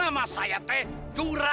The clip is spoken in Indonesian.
yang agrim cherry ya